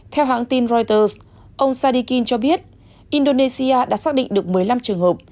theo hãng tin reuters ông sadikin cho biết indonesia đã xác định được một mươi năm trường hợp